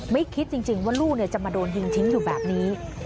ไม่คิดจริงว่าลูกจะมาโดนยิงทิ้งอยู่แบบนี้